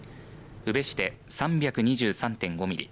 宇部市で３２３．５ミリ